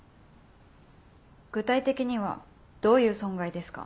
具体的にはどういう損害ですか？